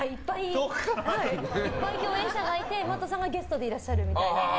いっぱい共演者がいてＭａｔｔさんがゲストでいらっしゃるみたいな。